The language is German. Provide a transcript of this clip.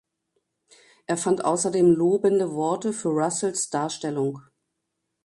Er fand außerdem lobende Worte für Russells Darstellung.